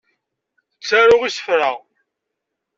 Ttaruɣ isefra.